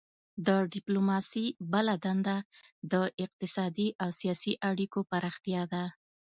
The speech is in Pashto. د ډیپلوماسي بله دنده د اقتصادي او سیاسي اړیکو پراختیا ده